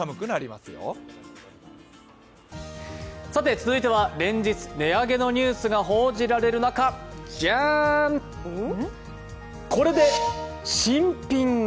続いては連日、値上げのニュースが報じられる中、じゃーん、これで新品が。